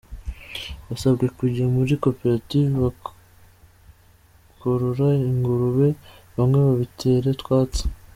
Basabwe kujya muri koperative bakorora ingurube, bamwe babitera utwatsi.